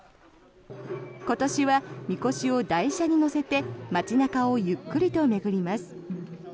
今年はみこしを台車に載せて街中をゆっくりと巡ります。